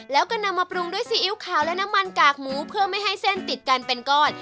แล้วก็นำมาปรุงด้วยซีอิ๊วขาวและน้ำมันกากหมูเพื่อไม่ให้เส้นติดกันเป็นก้อน